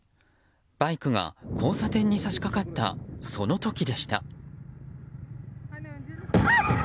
バイクが交差点に差し掛かったその時でした。